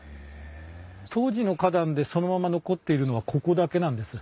当時の花壇でそのまま残っているのはここだけなんです。